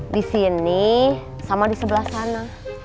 di sini sama di sebelah sana